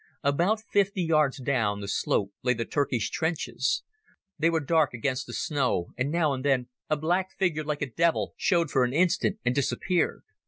About fifty yards down the slope lay the Turkish trenches—they were dark against the snow, and now and then a black figure like a devil showed for an instant and disappeared.